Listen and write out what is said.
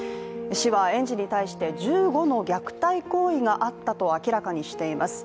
市は園児に対して１５の虐待行為があったと明らかにしています。